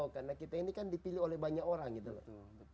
karena kita ini kan dipilih oleh banyak orang gitu loh